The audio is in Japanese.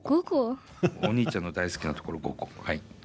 お兄ちゃんの大好きなところ５個はい。